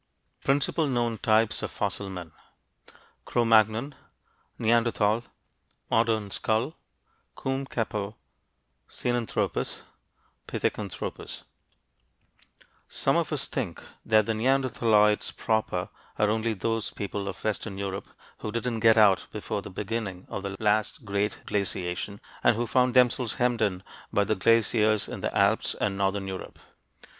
[Illustration: PRINCIPAL KNOWN TYPES OF FOSSIL MEN CRO MAGNON NEANDERTHAL MODERN SKULL COMBE CAPELLE SINANTHROPUS PITHECANTHROPUS] Some of us think that the neanderthaloids proper are only those people of western Europe who didn't get out before the beginning of the last great glaciation, and who found themselves hemmed in by the glaciers in the Alps and northern Europe.